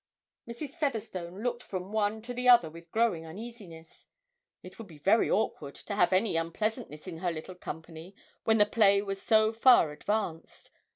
Mrs. Featherstone looked from one to the other with growing uneasiness. It would be very awkward to have any unpleasantness in her little company when the play was so far advanced.